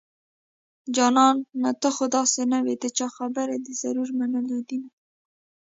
جانانه ته خو داسې نه وي د چا خبرې دې ضرور منلي دينه